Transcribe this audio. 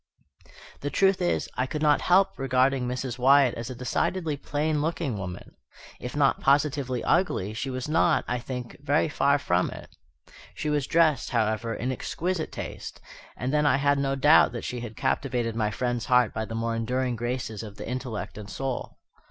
The truth is, I could not help regarding Mrs. Wyatt as a decidedly plain looking woman. If not positively ugly, she was not, I think, very far from it. She was dressed, however, in exquisite taste, and then I had no doubt that she had captivated my friend's heart by the more enduring graces of the intellect and soul.